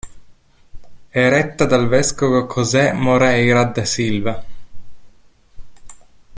È retta dal vescovo José Moreira da Silva.